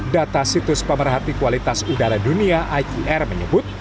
data situs pemerhati kualitas udara dunia iqr menyebut